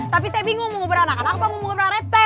tapi saya bingung mau beranak anak apa mau beranak anak pak rt